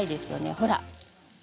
ほら。